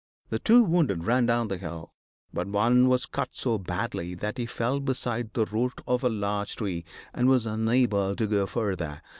The two wounded ran down the hill, but one was cut so badly that he fell beside the root of a large tree, and was unable to go further.